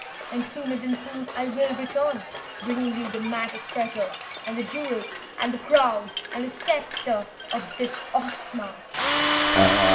And, sooner than soon, I will return, bringing you the magic treasure and jewels and the crown and scepter of this Ohsma!"